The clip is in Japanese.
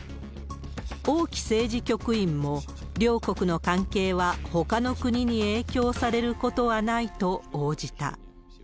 王毅政治局員も、両国の関係は、ほかの国に影響されることはないと応じた。